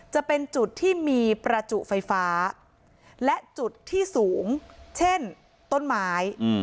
จะเป็นจุดที่มีประจุไฟฟ้าและจุดที่สูงเช่นต้นไม้